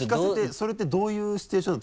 それってどういうシチュエーションなの？